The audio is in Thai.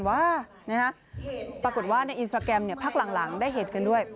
ว่าปรากฏว่าในอินสตราแกรมพักหลังได้เห็นกันด้วย